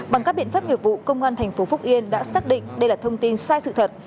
bằng các biện pháp nghiệp vụ công an thành phố phúc yên đã xác định đây là thông tin sai sự thật